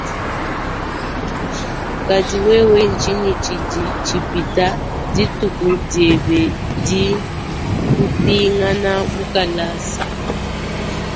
Kadi wewe tshingi tshidi tshipita dithuku diebe di kupingana mukalasa?